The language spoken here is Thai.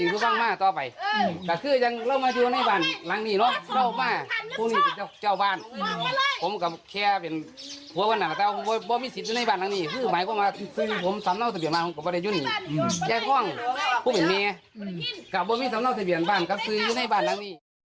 เรื่องความจริงก็ต้องมาก็ต่อไป